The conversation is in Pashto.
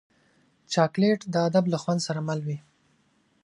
چاکلېټ د ادب له خوند سره مل وي.